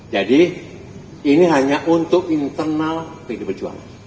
jadi ini hanya untuk internal perjuangan